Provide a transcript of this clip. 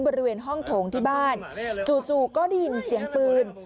บริเวณห้องโถงที่บ้านจู่ก็ได้ยินเสียงปืน